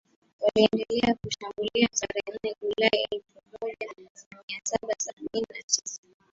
waliendelea kuwashambulia Tarehe nne Julai elfumoja miasaba sabini na sita